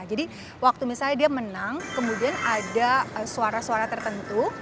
jadi waktu misalnya dia menang kemudian ada suara suara tertentu